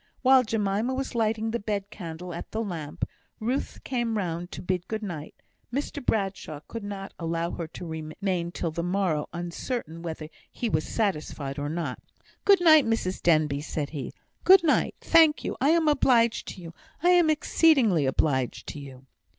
While Jemima was lighting the bed candle at the lamp, Ruth came round to bid good night. Mr Bradshaw could not allow her to remain till the morrow, uncertain whether he was satisfied or not. "Good night, Mrs Denbigh," said he. "Good night. Thank you. I am obliged to you I am exceedingly obliged to you."